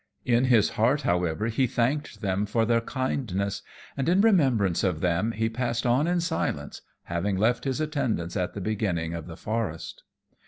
In his heart, however, he thanked them for their kindness, and in remembrance of them he passed on in silence, having left his attendants at the beginning of the forest.